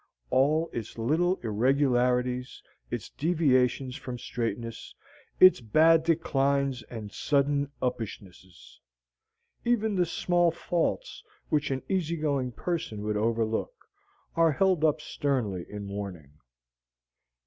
All its little irregularities, its deviations from straightness, its bad declines and sudden uppishnesses, even the small faults which an easy going person would overlook, are held up sternly in warning.